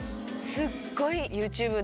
すっごい。